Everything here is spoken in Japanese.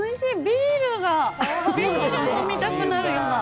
ビール飲みたくなるような。